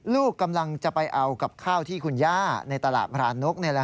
ลูกกำลังจะไปเอากับข้าวที่คุณย่าในตลาดพรานก